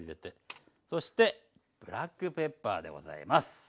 そしてブラックペッパーでございます。